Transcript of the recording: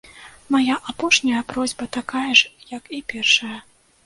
Мая апошняя просьба такая ж, як і першая.